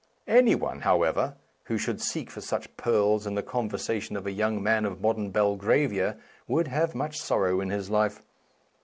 Any one, however, who should seek for such pearls in the conversation of a young man of modern Belgravia would have much sorrow in his life.